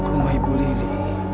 ke rumah ibu leli